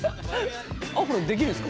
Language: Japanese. アフロにできるんですか？